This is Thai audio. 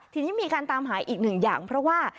ทีนี้มีการตามหาอีกหนึ่งอย่างเพราะว่า